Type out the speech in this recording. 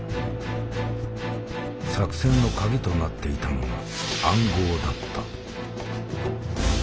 作戦の鍵となっていたのが「暗号」だった。